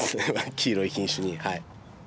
黄色い品種に。